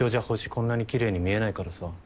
こんなに奇麗に見えないからさ。